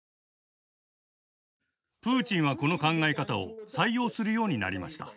プーチンはこの考え方を採用するようになりました。